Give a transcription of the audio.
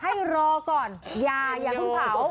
ให้รอก่อนอย่าเพิ่งเผา